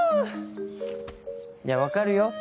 いや分かるよ。